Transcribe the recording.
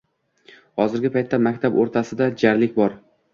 Hozirgi paytda maktab o‘rtasida jarlik bor.